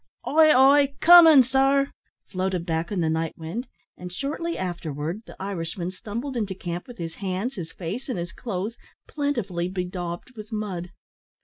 "Ay, ay, comin' sir r," floated back on the night wind; and, shortly afterwards, the Irishman stumbled into camp with his hands, his face, and his clothes plentifully bedaubed with mud.